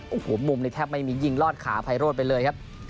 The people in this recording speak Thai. โอ้โหมุมนี้แทบไม่มียิงลอดขาไพโรธไปเลยครับ